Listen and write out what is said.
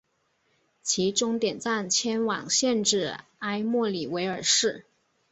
其终点站迁往现址埃默里维尔市。